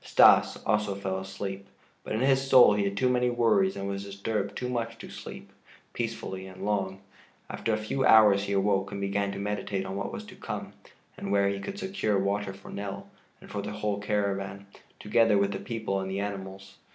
Stas also fell asleep, but in his soul he had too many worries and was disturbed too much to sleep peacefully and long. After a few hours he awoke and began to meditate on what was to come, and where he could secure water for Nell, and for the whole caravan, together with the people and the animals.